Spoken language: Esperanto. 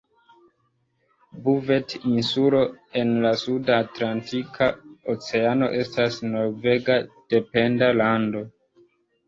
Buvet-Insulo en la suda Atlantika Oceano estas norvega dependa lando.